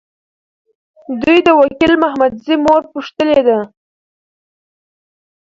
دوی د وکیل محمدزي مور پوښتلي ده.